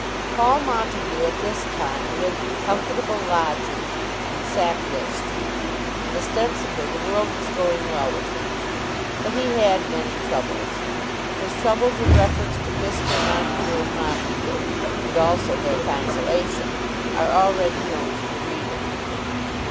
Paul Montague at this time lived in comfortable lodgings in Sackville Street, and ostensibly the world was going well with him. But he had many troubles. His troubles in reference to Fisker, Montague, and Montague, and also their consolation, are already known to the reader.